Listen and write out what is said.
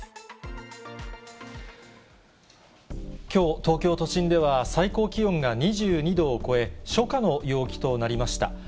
きょう、東京都心では最高気温が２２度を超え、初夏の陽気となりました。